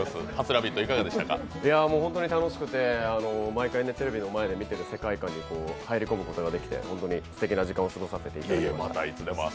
ホントに楽しくて、毎回、テレビの前で見ている世界観に入り込むことができてすてきな時間を過ごさせていただきました。